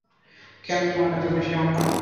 কেন তোমার এত বেশি অহংকার?